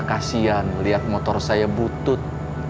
kasian lihat motor saya butut